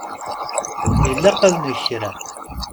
Ilaq ad neg kra.